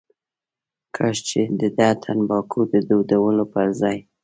کاش چې دده تنباکو د دودولو پر ځای.